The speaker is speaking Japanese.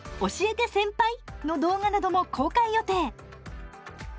「教えて先輩！」の動画なども公開予定。